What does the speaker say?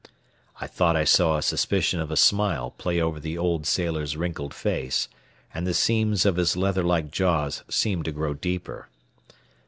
I thought I saw a suspicion of a smile play over the old sailor's wrinkled face, and the seams of his leather like jaws seemed to grow deeper.